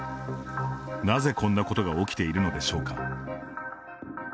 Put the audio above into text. なぜ、こんなことが起きているのでしょうか。